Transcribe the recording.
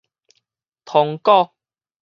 通鼓